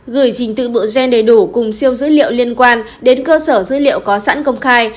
gửi trình tự bộ gen đầy đủ cùng siêu dữ liệu liên quan đến cơ sở dữ liệu có sẵn công khai